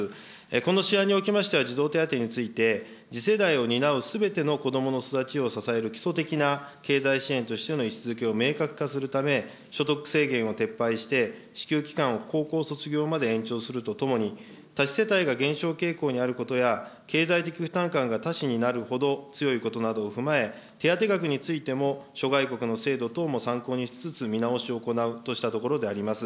この試案におきましては、児童手当について、次世代を担うすべての子どもの育ちを支える基礎的な経済支援としての位置づけを明確化するため、所得制限を撤廃して、支給期間を高校卒業まで延長するとともに、多子世帯が減少傾向にあることや、経済的負担感が多子になるほど強いことなどを踏まえ、手当額についても、諸外国の制度等も参考にしつつ見直しを行うとしたところでございます。